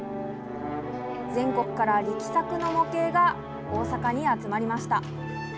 全国から力作の模型が大阪に集まりました。